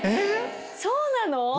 そうなの？